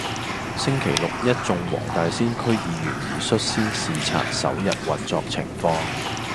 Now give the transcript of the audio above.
星期六一眾黃大仙區議員已率先視察首日運作情況